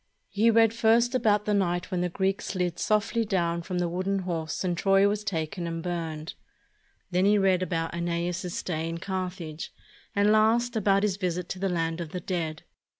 He read first about the night when the Greeks slid softly down from the wooden horse and Troy was taken and burned; then he read about ^neas's stay in Car thage; and last, about his visit to the land of the dead.